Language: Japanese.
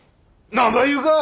何ば言うか。